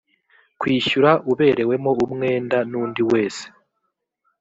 kwishyura uberewemo umwenda n undi wese